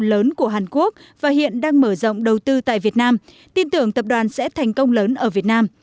lớn của hàn quốc và hiện đang mở rộng đầu tư tại việt nam tin tưởng tập đoàn sẽ thành công lớn ở việt nam